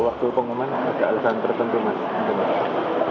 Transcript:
waktu pengumuman ada alasan tertentu mas